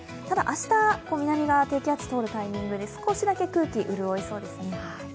ただ明日、南側、低気圧が通るタイミングで少しだけ空気潤いそうです。